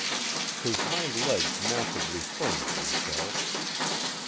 His hind legs massively firmed themselves.